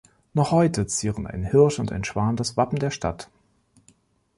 Noch heute zieren ein Hirsch und ein Schwan das Wappen der Stadt.